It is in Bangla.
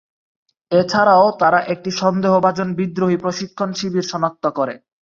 এছাড়াও তারা একটি সন্দেহভাজন বিদ্রোহী প্রশিক্ষণ শিবির শনাক্ত করে।